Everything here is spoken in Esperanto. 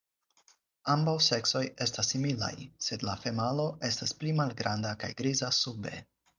Ambaŭ seksoj estas similaj, sed la femalo estas pli malgranda kaj griza sube.